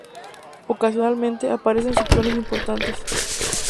Ocasionalmente, aparecen ciclones importantes.